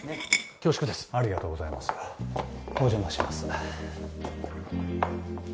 恐縮ですありがとうございますお邪魔します